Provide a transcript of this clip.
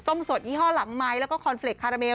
สดยี่ห้อหลังไม้แล้วก็คอนเฟรกคาราเมล